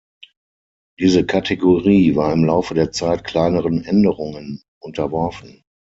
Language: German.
Diese Kategorie war im Laufe der Zeit kleineren Änderungen unterworfen.